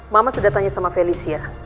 mama sudah tanya sama felicia